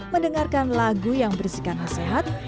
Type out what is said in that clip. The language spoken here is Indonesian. mendengarkan lagu yang bersihkan kesehatan